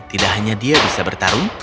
tidak hanya dia bisa bertarung